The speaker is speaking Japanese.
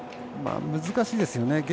難しいですよね。